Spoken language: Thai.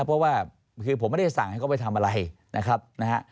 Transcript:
เพราะว่าคือผมไม่ได้สั่งให้เขาไปทำอะไรนะครับนะฮะ